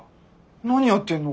何やってんの？